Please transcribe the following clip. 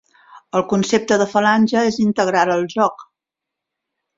El concepte de falange és integral al joc.